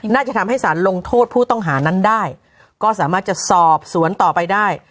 น่าจะทำให้สารลงโทษผู้ต้องหานั้นได้ก็สามารถจะสอบสวนต่อไปได้